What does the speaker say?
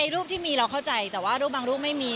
รูปที่มีเราเข้าใจแต่ว่ารูปบางรูปไม่มี